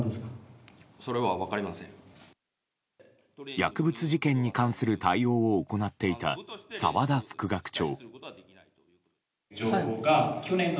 薬物事件に関する対応を行っていた澤田副学長。